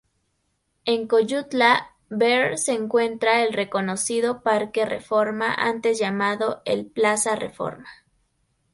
En coyutla, Ver se encuentra el reconocido Parque Reforma antes llamado el Plaza Reforma.